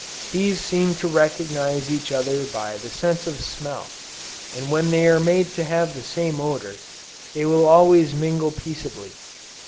Bees seem to recognize each other by the sense of smell; and when they are made to have the same odor, they will always mingle peaceably.